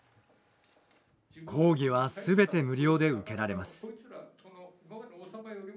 講義は全て無料で受けられます。